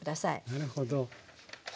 なるほど。